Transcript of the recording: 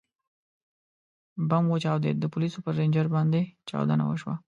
ـ بم وچاودېد، د پولیسو پر رینجر باندې چاودنه وشوه.